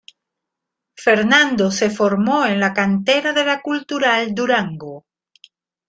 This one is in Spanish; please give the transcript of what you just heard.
Fernando se formó en la cantera de la Cultural Durango.